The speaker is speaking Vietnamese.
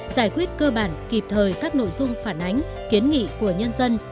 giải quyết cơ bản kịp thời các nội dung phản ánh kiến nghị của nhân dân